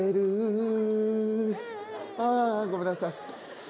ああごめんなさい。